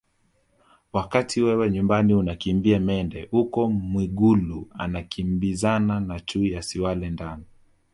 Wakati wewe nyumbani unakimbia mende huko Mwigulu anakimbizana na chui asiwale ndama